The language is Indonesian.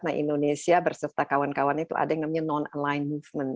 nah indonesia berserta kawan kawan itu ada yang namanya non align movement